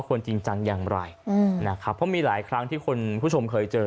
ว่าควรจริงจันทร์อย่างไรเพราะมีหลายครั้งที่ผู้ชมเคยเจอ